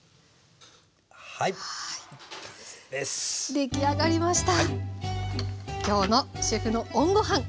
出来上がりました。